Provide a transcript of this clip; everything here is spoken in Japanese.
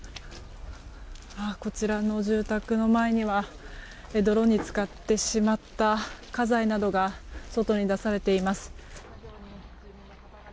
こちらの住宅の前には泥に浸かってしまった家財などが外に出されています。